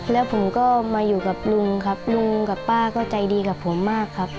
แล้วผมก็มาอยู่กับลุงครับลุงกับป้าก็ใจดีกับผมมากครับ